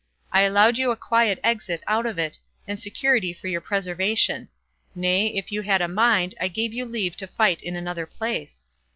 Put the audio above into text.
I allowed you a quiet exit out of it, and security for your preservation; nay, if you had a mind, I gave you leave to fight in another place.